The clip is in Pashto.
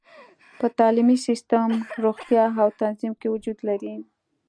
په تعلیمي سیستم، روغتیا او تنظیم کې وجود لري.